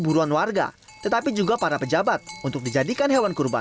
kiramber bixyck samaawsa har wildgoyjeham before calir molishing terbuka